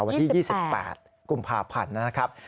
วันที่๒๘กุมภาพันธ์นะครับ